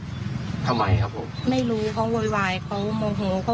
และที่สำคัญก็มีอาจารย์หญิงในอำเภอภูสิงอีกคนนึงมาทำพิธีแล้วถูกโดนลามแบบนี้อีกเหมือนกัน